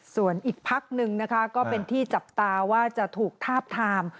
ส่วนอีกพักหนึ่งนะคะก็เป็นที่จับตาว่าจะถูกทาบทาม